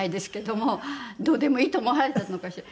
どうでもいいと思われたのかしら。